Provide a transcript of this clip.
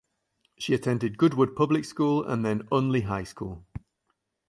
She attended Goodwood Public School and then Unley High School.